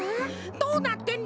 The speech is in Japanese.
どうなってんだよ